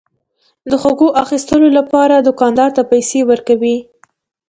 د خوړو اخیستلو لپاره دوکاندار ته پيسى ورکوي.